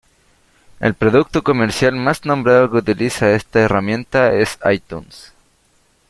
El producto comercial más nombrado que utiliza esta herramienta es iTunes.